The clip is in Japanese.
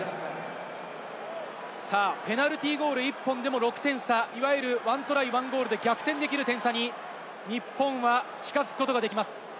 ペナルティーゴール１本でも６点差、いわゆる１トライ１ゴールで逆転できる点差に日本は近づくことができます。